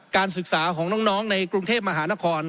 การศึกษาของน้องในกรุงเทพมหานคร